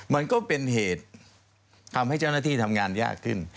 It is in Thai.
มันก็เป็นเหตุทำให้เจ้าหน้าที่ทำงานยากขึ้น